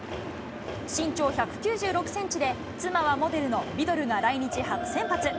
身長１９６センチで、妻はモデルのビドルが来日初先発。